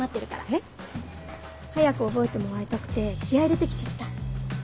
えっ？早く覚えてもらいたくて気合入れて来ちゃった。